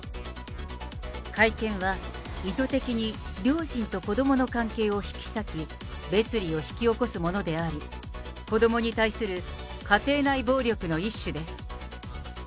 会見は意図的に両親と子どもの関係を引き裂き、別離を引き起こすものであり、子どもに対する家庭内暴力の一種です。